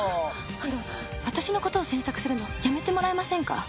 あの私の事を詮索するのやめてもらえませんか？